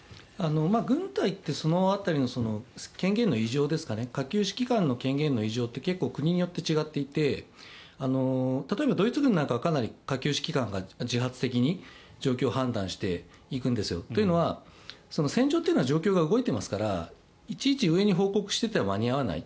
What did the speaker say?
軍隊ってその辺りの権限の委譲下級指揮官の権限の委譲って結構、国によって違っていて例えばドイツ軍なんかは下級指揮官が自発的に状況判断していくんですよ。というのは、戦場というのは状況が動いていますからいちいち上に報告していては間に合わない。